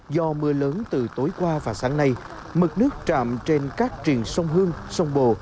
do mưa lớn từ tối qua và sáng nay mực nước trạm trên các triền sông hương sông bồ